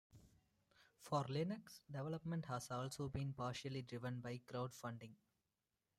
For Linux, development has also been partially driven by crowdfunding.